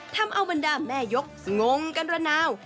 ทำอัวรัณดาแม่ยกงงกันระหนาว